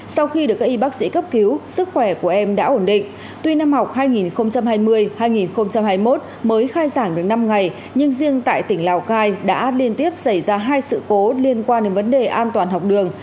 sau khi được các y bác sĩ cấp cứu sức khỏe của em đã ổn định tuy năm học hai nghìn hai mươi hai nghìn hai mươi một mới khai giảng được năm ngày nhưng riêng tại tỉnh lào cai đã liên tiếp xảy ra hai sự cố liên quan đến vấn đề an toàn học đường